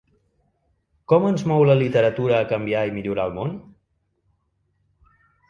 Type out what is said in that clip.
Com ens mou la literatura a canviar i millorar el món?